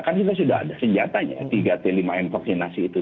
kan kita sudah ada senjata ya tiga t lima infeksi itu